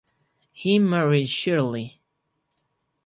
He married Shirley.